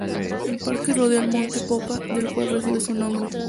El parque rodea al monte Popa del cual recibe su nombre.